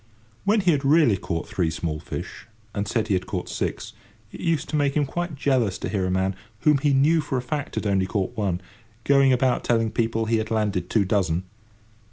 When he had really caught three small fish, and said he had caught six, it used to make him quite jealous to hear a man, whom he knew for a fact had only caught one, going about telling people he had landed two dozen.